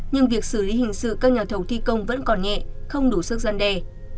nhưng việc xử lý hình sự các nhà thầu thi công vẫn còn nhẹ không đủ sức gian đề